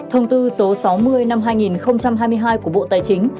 thông tư số sáu mươi năm hai nghìn hai mươi hai của bộ tài chính